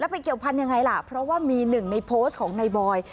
แล้วเป็นเกี่ยวพันยังไงล่ะเพราะว่ามีหนึ่งในโพสต์ของนายบอย